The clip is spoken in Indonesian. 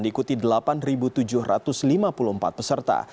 diikuti delapan tujuh ratus lima puluh empat peserta